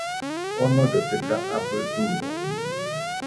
Onollɨ dɨga abɨ duño